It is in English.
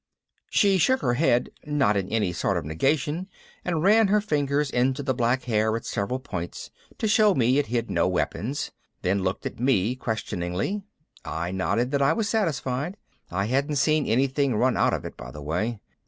She shook her head, not in any sort of negation, and ran her fingers into the black hair at several points, to show me it hid no weapon, then looked at me questioningly. I nodded that I was satisfied I hadn't seen anything run out of it, by the way.